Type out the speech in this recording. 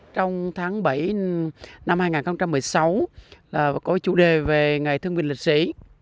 trong tháng bảy năm hai nghìn một mươi sáu có chủ đề về ngày thương binh lịch sĩ